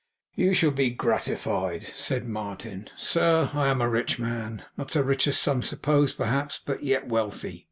'You shall be gratified,' said Martin. 'Sir, I am a rich man. Not so rich as some suppose, perhaps, but yet wealthy.